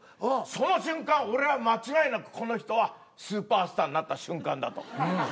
その瞬間俺は間違いなくこの人はスーパースターになった瞬間だと。